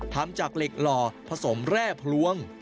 ทำจากเหล็กหล่อผสมแร่พลวง